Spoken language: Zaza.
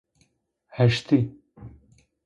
Heşti